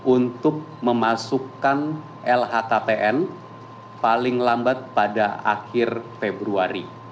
untuk memasukkan lhkpn paling lambat pada akhir februari